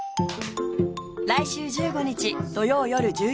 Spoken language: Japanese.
来週１５日土曜よる１１時スタート